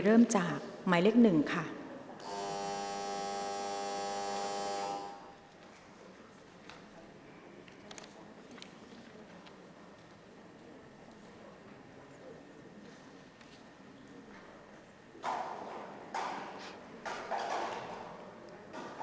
กรรมการท่านที่ห้าได้แก่กรรมการใหม่เลขเก้า